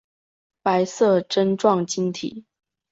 白色针状晶体。